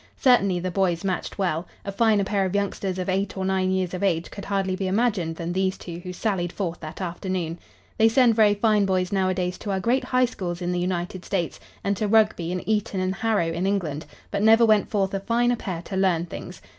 Certainly the boys matched well. A finer pair of youngsters of eight or nine years of age could hardly be imagined than these two who sallied forth that afternoon. They send very fine boys nowadays to our great high schools in the United States, and to Rugby and Eaton and Harrow in England, but never went forth a finer pair to learn things.